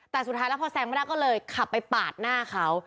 แต่สุดท้ายแล้วพอแซงไม่ได้ก็เลยขับไปปาดหน้าเขา